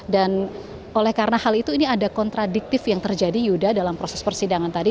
dan oleh karena hal itu ini ada kontradiktif yang terjadi yuda dalam proses persidangan tadi